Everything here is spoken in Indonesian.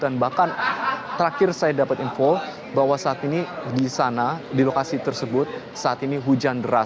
dan bahkan terakhir saya dapat info bahwa saat ini di sana di lokasi tersebut saat ini hujan deras